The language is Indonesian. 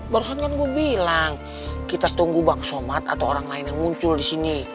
barusan kan gue bilang kita tunggu bang somad atau orang lain yang muncul di sini